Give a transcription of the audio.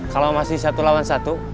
kalau masih satu lawan satu